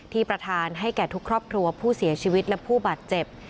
ประธานให้แก่ทุกครอบครัวผู้เสียชีวิตและผู้บาดเจ็บ